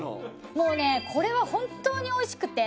もうねこれは本当においしくて。